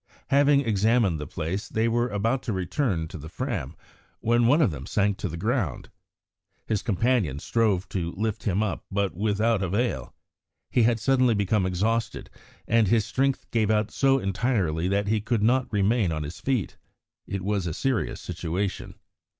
Having examined the place, they were about to return to the Fram, when one of them sank to the ground. His companion strove to lift him up, but without avail; he had suddenly become exhausted, and his strength gave out so entirely that he could not remain on his feet. It was a serious situation.